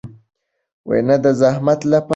نه د زحمت لپاره.